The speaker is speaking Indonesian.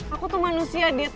aku tuh manusia dit